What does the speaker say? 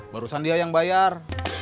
barusan dia yang bayar